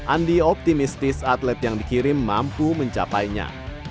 andi optimistis atlet yang dikirim mampu mencapainya